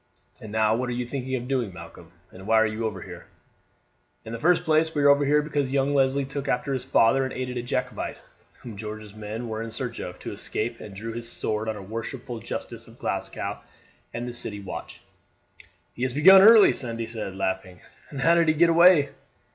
And now what are you thinking of doing, Malcolm, and why are you over here?" "In the first place we are over here because young Leslie took after his father and aided a Jacobite, whom George's men were in search of, to escape, and drew his sword on a worshipful justice of Glasgow and the city watch." "He has begun early," Sandy said, laughing; "and how did he get away?"